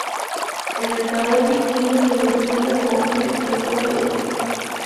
En el Tarot Vikingo se le representa por Frigg, la esposa de Odín.